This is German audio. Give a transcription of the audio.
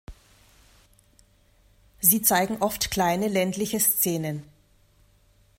Sie zeigen oft kleine ländliche Szenen.